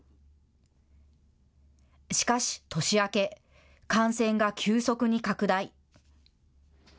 しかし年明け、感染が急速に拡大。